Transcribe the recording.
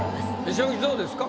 昇吉どうですか？